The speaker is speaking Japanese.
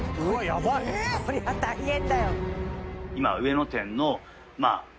ヤバいこりゃ大変だよ